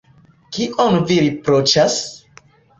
Kion vi riproĉas?